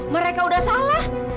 mereka udah salah